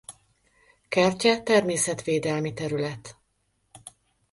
Kertje természetvédelmi terület.